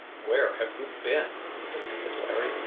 "Where have you been?" demanded Larry.